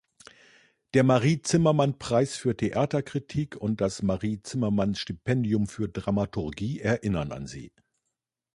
Der "Marie-Zimmermann-Preis für Theaterkritik" und das "Marie-Zimmermann-Stipendium für Dramaturgie" erinnern an sie.